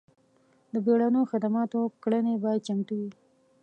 د بیړنیو خدماتو کړنې باید چمتو وي.